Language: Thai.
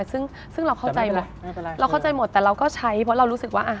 ซึ่งเราเข้าใจหมดแต่เราก็ใช้เพราะเรารู้สึกว่า